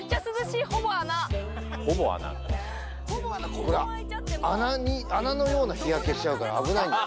これは穴に穴のような日焼けしちゃうから危ないんだよ